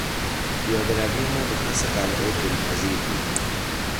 پیاده روی ما به پس قلعه دلپذیر بود.